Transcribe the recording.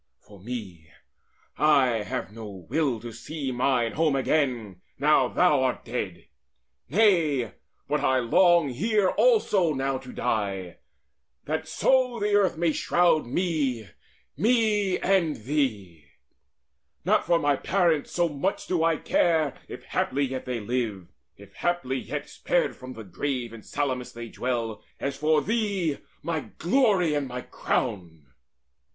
For me, I have no will To see mine home again, now thou art dead. Nay, but I long here also now to die, That so the earth may shroud me me and thee Not for my parents so much do I care, If haply yet they live, if haply yet Spared from the grave, in Salamis they dwell, As for thee, O my glory and my crown!"